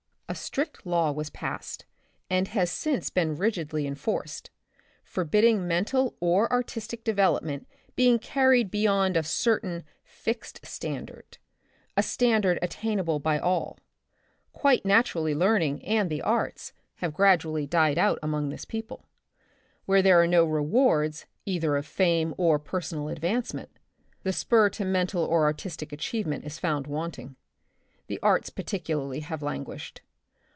A strict law was passed, and has since been rigidly enforced, forbidding mental or artistic development being carried beyond a certain fixed standard, a standard attainable by all. Quite naturally learning and the arts have The Republic of the Future. 67 gradually died out among this people. Where there are no rewards either of fame or personal advancement, the spur to mental or artistic achievement is found wanting. The arts par ticularly have languished.